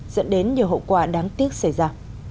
dẫn đến nhiều hậu quả đáng tiếc xảy ra